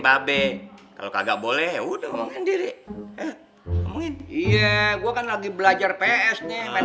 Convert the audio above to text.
ya be kalau kagak boleh ya udah ngomongin diri ngomongin iya gua kan lagi belajar ps nya main